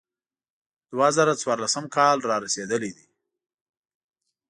دوه زره څوارلسم کال را رسېدلی دی.